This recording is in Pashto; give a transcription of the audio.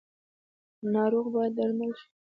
ناروغه باید درمل شي